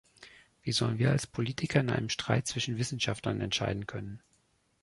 Wie sollen wir als Politiker in einem Streit zwischen Wissenschaftlern entscheiden können?